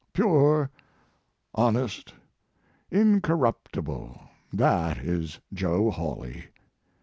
Pure, honest, incorruptible, that is Joe Hawley.